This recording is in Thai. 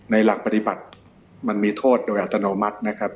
หลักปฏิบัติมันมีโทษโดยอัตโนมัตินะครับ